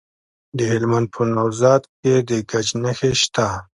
د هلمند په نوزاد کې د ګچ نښې شته.